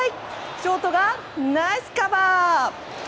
ショートがナイスカバー！